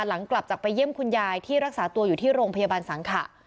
หลังกลับจากไปเยี่ยมคุณยายที่รักษาตัวอยู่ที่โรงพยาบาลสังขะ